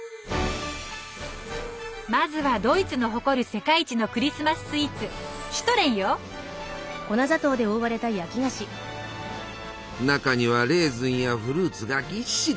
まずはドイツの誇る世界一のクリスマススイーツ中にはレーズンやフルーツがぎっしり。